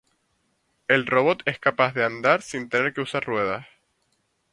El robot es capaz de andar sin tener que usar ruedas.